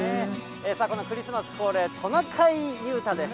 さあ、このクリスマス恒例、トナカイ、裕太です。